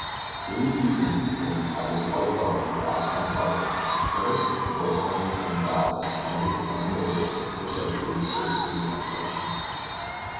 In the evening, when the tide was quite low, and the rocks uncovered, Curtis, the boatswain, and Dowlas went to examine the ridge which had proved so serious an obstruction.